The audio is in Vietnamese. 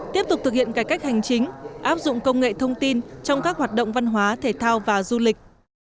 tiếp tục thực hiện cải cách hành chính áp dụng công nghệ thông tin trong các hoạt động văn hóa thể thao và du lịch